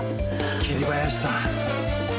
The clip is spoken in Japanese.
桐林さん。